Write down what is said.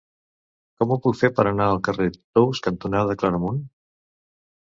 Com ho puc fer per anar al carrer Tous cantonada Claramunt?